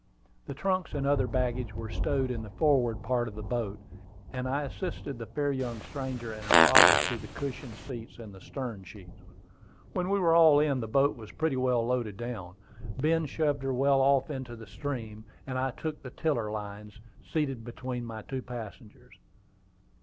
The trunks and the other baggage were stowed in the forward part of the boat, and I assisted the fair stranger and her father to the cushioned seats in the stern sheets. When we were all in, the boat was pretty well loaded down. Ben shoved her well off into the stream, and I took the tiller lines, seated between my two passengers.